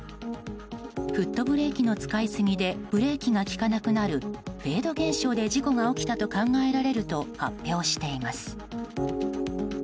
フットブレーキの使いすぎでブレーキが利かなくなるフェード現象で事故が起きたと考えられると発表しています。